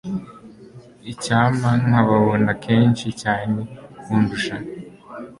icyampa nkababona kenshi cyane kundusha